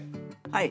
はい。